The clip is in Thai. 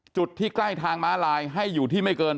จุดที่ใกล้ทางม้าลายให้อยู่ที่ไม่เกิน